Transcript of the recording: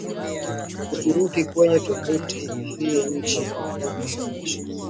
Uturuki kwenye tovuti hii Nchini Uturuki yaonesha